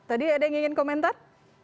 tadi ada yang ingin komentar